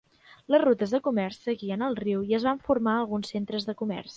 Les rutes de comerç seguien el riu i es van formar alguns centres de comerç.